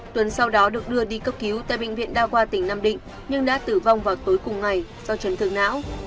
tuấn sau đó được đưa đi cấp cứu tại bệnh viện đa hoa tỉnh nam định nhưng đã tử vong vào tối cùng ngày do trấn thường não